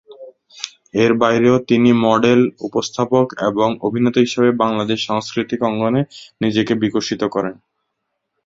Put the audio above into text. এর বাইরেও তিনি মডেল, উপস্থাপক এবং অভিনেতা হিসাবে বাংলাদেশ সাংস্কৃতিক অঙ্গনে নিজেকে বিকশিত করেন।